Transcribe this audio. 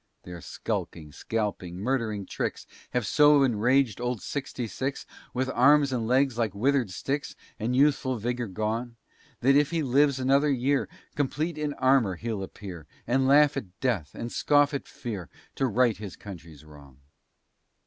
Their sculking, scalping, murdering tricks Have so enraged old sixty six, With legs and arms like withered sticks, And youthful vigor gone; That if he lives another year, Complete in armor he'll appear, And laugh at death and scoff at fear, To right his country's wrong.